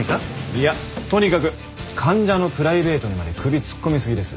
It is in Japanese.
いやとにかく患者のプライベートにまで首突っ込みすぎです。